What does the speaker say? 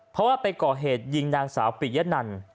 เพราะว่าไปก่อเหตุยิงนางสาวปิยะนัน